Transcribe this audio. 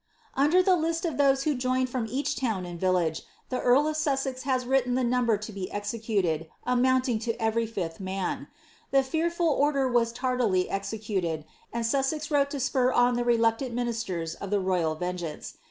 Under the list of thoee who joined from each town and village, the cul of Suiaex has written the number to be executed, amounting to fiery fifth man. The fearful order was tardily executed, and Sussex wrote to spur on the reluctant ministers of the royal vengeance.